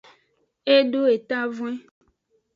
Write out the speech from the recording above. E do etavwen.